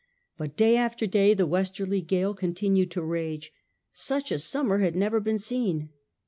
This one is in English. But day after day the westerly gale continued to rage. Such a summer had never been seen.